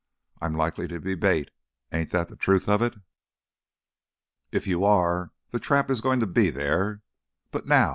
"I'm likely to be bait, ain't that the truth of it?" "If you are, the trap is going to be there. But now